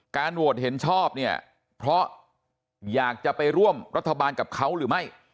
โหวตเห็นชอบเนี่ยเพราะอยากจะไปร่วมรัฐบาลกับเขาหรือไม่